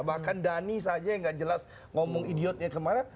bahkan dani saja yang gak jelas ngomong idiotnya kemana